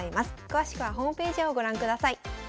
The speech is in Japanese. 詳しくはホームページをご覧ください。